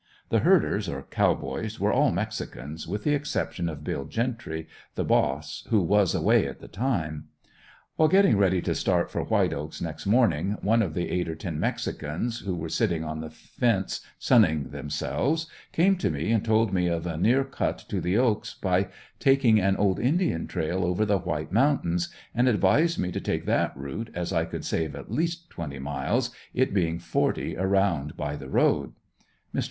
The herders, or cowboys, were all mexicans, with the exception of Bill Gentry, the boss, who was away at the time. While getting ready to start for White Oaks next morning one of the eight or ten, mexicans, who were sitting on the fence sunning themselves, came to me, and told me of a near cut to the "Oaks," by taking an old Indian trail over the White Mountains, and advised me to take that route as I could save at least twenty miles, it being forty around by the road. Mr.